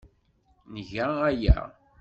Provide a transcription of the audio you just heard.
Nga aya.